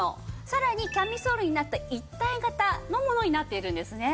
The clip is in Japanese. さらにキャミソールになった一体型のものになっているんですね。